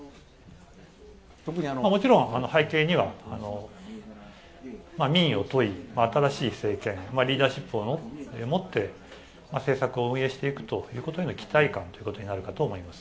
もちろん、背景には民意を問い新しい政権、リーダーシップをもって政策を運営していくということの期待感ということになるかと思います。